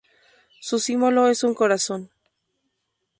Su símbolo es un corazón.